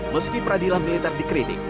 meski peradilan militer dikritik